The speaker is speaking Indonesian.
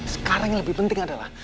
sekarang yang lebih penting adalah